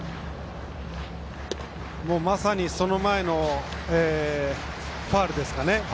まさにその前のファウルですかね